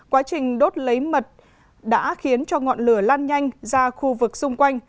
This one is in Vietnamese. quá trình đốt lấy mật đã khiến cho ngọn lửa lan nhanh ra khu vực xung quanh